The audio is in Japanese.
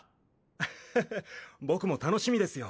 ハハハ僕も楽しみですよ。